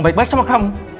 baik baik sama kamu